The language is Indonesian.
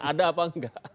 ada apa tidak